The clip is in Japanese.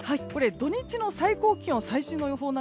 土日の最高気温、最新の予報